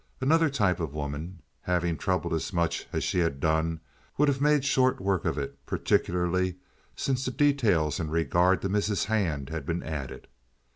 Another type of woman, having troubled as much as she had done, would have made short work of it, particularly since the details in regard to Mrs. Hand had been added.